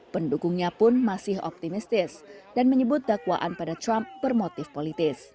pendukungnya pun masih optimistis dan menyebut dakwaan pada trump bermotif politis